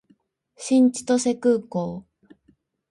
新千歳空港